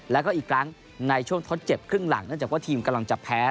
แล้วก็อีกครั้งในช่วงทดเจ็บครึ่งหลังเนื่องจากว่าทีมกำลังจะแพ้